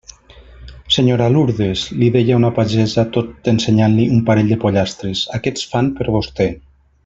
«Senyora Lourdes», li deia una pagesa tot ensenyant-li un parell de pollastres, «aquests fan per vostè».